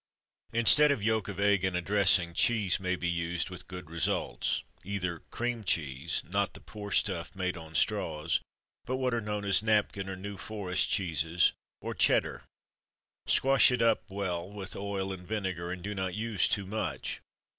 Instead of yolk of egg, in a dressing, cheese may be used, with good results, either cream cheese not the poor stuff made on straws, but what are known as "napkin," or "New Forest" cheeses or Cheddar. Squash it well up with oil and vinegar, and do not use too much.